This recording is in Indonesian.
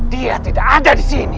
dia tidak ada disini